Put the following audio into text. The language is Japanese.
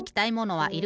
はい！